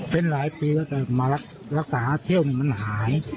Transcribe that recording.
เป็นหลายปีแล้วแต่มารักษาเที่ยวนี่มันหาย